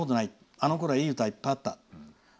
あのころはいい歌がいっぱいあった。